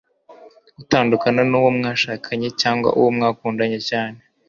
gutandukana n'uwo mwashakanye cg uwo mwakundanye cyane